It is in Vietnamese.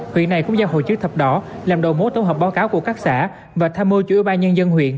huyện này cũng do hội chức thập đỏ làm đồ mố tổng hợp báo cáo của các xã và tham mô chủ ubnd huyện